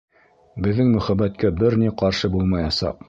Беҙҙең мөхәббәткә бер ни ҡаршы булмаясаҡ.